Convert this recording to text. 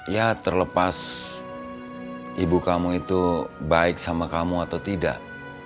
ya terlepas ibu kamu itu baik sama kamu atau tidak